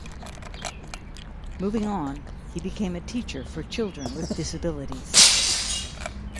Moving on, he became a teacher for children with disabilities.